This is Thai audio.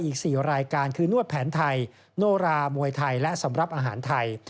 อีก๔รายการคือนวดแผนไทยโนรามวยไทยและสำหรับอาหารไทย